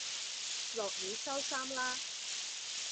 落雨收衫啦